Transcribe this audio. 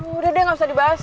udah deh gak usah dibahas